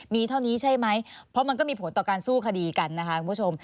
มีเท่านี้ใช่ไหมเพราะมันก็มีผลต่อการสู้คดีกันนะคะคุณผู้ชม